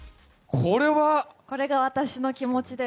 これが私の気持ちです。